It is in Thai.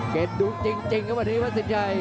เก็ตดุ๊กจริงครับวันนี้วัดสินชัย